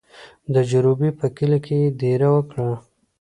د جروبي په کلي کې یې دېره وکړه.